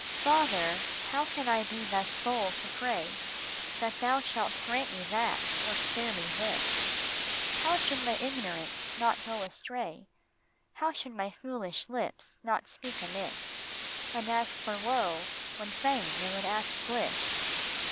FATHER, how can I thus be bold to pray That thou shalt grant me that or spare me this ? How should my ignorance not go astray, How should my foolish lips not speak amiss And ask for woe when fain they would ask bliss